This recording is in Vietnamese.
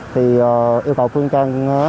thì yêu cầu phương trang